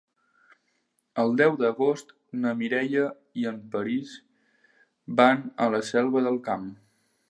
El deu d'agost na Mireia i en Peris van a la Selva del Camp.